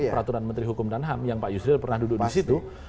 peraturan menteri hukum dan ham yang pak yusril pernah duduk di situ